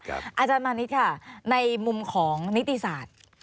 อาจารย์มานิดค่ะในมุมของนิติศาสตร์